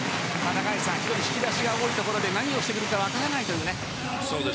引き出しが多いところで何をしてくるか分からないという。